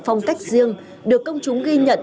phong cách riêng được công chúng ghi nhận